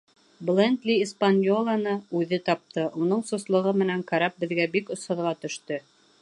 «Блендли «Испаньола»ны үҙе тапты, уның сослоғо менән карап беҙгә бик осһоҙға төштө.